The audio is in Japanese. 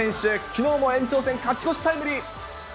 きょうも延長戦、勝ち越しタイムリー。